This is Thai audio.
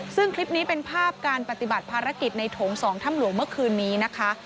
ซึ่งคลิปนี้เป็นภาพการปฏิบัติภารกิจในโถง๒ถ้ำหลวงเมื่อคืนนี้นะคะ